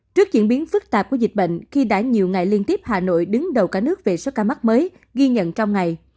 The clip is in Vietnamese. trước diễn biến phức tạp của dịch bệnh khi đã nhiều ngày liên tiếp hà nội đứng đầu cả nước về số ca mắc mới ghi nhận trong ngày